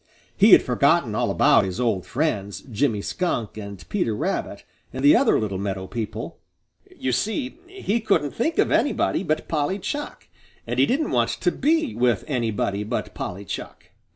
He had forgotten all about his old friends, Jimmy Skunk and Peter Rabbit and the other little meadow people. You see, he couldn't think of anybody but Polly Chuck, and he didn't want to be with anybody but Polly Chuck.